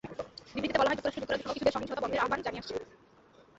বিবৃতিতে বলা হয়, যুক্তরাষ্ট্র, যুক্তরাজ্যসহ কিছু দেশ সহিংসতা বন্ধের আহ্বান জানিয়ে আসছে।